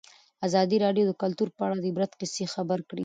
ازادي راډیو د کلتور په اړه د عبرت کیسې خبر کړي.